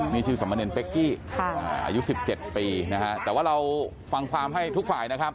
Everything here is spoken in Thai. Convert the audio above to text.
นี่ชื่อสมเนรเป๊กกี้อายุ๑๗ปีนะฮะแต่ว่าเราฟังความให้ทุกฝ่ายนะครับ